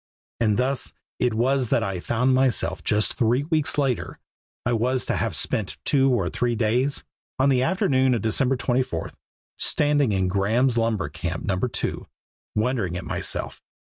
And thus it was that I found myself just three weeks later I was to have spent two or three days on the afternoon of December 24, standing in Graeme's Lumber Camp No. 2, wondering at myself.